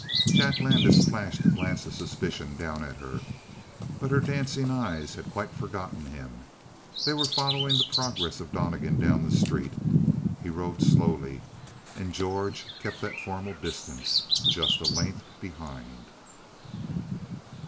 Jack Landis flashed a glance of suspicion down at her, but her dancing eyes had quite forgotten him. They were following the progress of Donnegan down the street. He rode slowly, and George kept that formal distance, just a length behind.